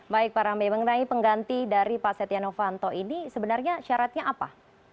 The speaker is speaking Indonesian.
baik pak rambai mengenai pengganti dari pak setiano fanto ini sebenarnya syaratnya apa